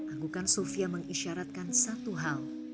anggukan sufia mengisyaratkan satu hal